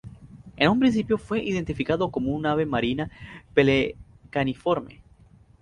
En un principio fue identificado como un ave marina pelecaniforme.